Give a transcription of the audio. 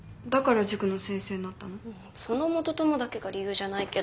その元トモだけが理由じゃないけど。